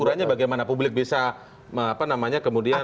ukurannya bagaimana publik bisa kemudian ya